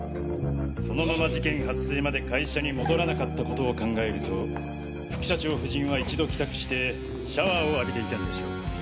そのまま事件発生まで会社に戻らなかった事を考えると副社長夫人は一度帰宅してシャワーを浴びていたんでしょう。